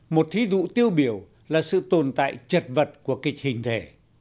một thí dụ tiêu biểu là sự tồn tại chật vật của kịch hình thể